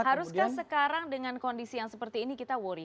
haruskah sekarang dengan kondisi yang seperti ini kita worry